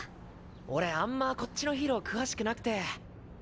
俺あんまこっちのヒーロー詳しくなくて。